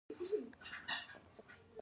څه ووایم